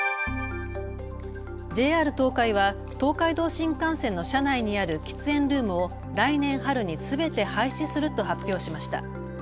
ＪＲ東海は東海道新幹線の車内にある喫煙ルームを来年春にすべて廃止すると発表しました。